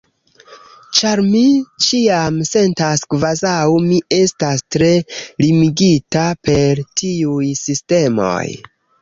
ĉar mi ĉiam sentas kvazaŭ mi estas tre limigita per tiuj sistemoj